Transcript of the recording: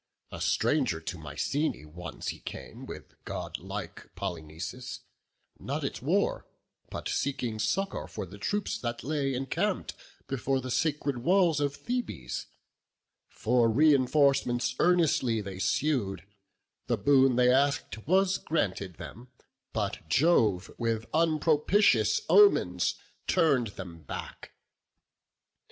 A stranger to Mycenæ once he came, With godlike Polynices; not at war, But seeking succour for the troops that lay Encamp'd before the sacred walls of Thebes; For reinforcements earnestly they sued; The boon they ask'd was granted them, but Jove With unpropitious omens turn'd them back.